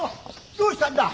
どうしたんだ。